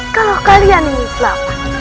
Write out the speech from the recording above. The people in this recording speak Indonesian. kalau kalian ingin selamat